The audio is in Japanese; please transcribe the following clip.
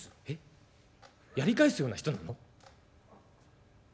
えっやり返すような人なの？」。